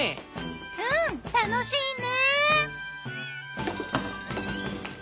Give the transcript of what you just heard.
うん楽しいね。